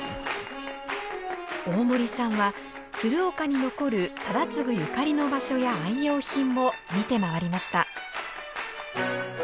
大森さんは鶴岡に残る忠次ゆかりの場所や愛用品も見て回りました。